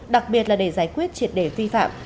đặc biệt là để giải quyết triệt đề vi phạm